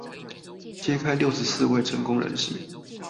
揭開六十四位成功人士